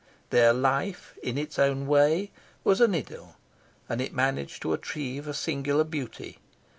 Their life in its own way was an idyl, and it managed to achieve a singular beauty.